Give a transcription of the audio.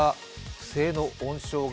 不正の温床が